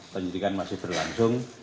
penyelidikan masih berlangsung